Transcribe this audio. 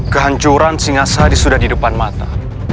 kehancuran singa sari sudah di depan mata